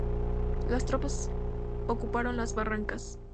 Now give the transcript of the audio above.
Las tropas ocuparon las barracas.